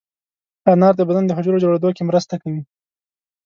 انار د بدن د حجرو جوړېدو کې مرسته کوي.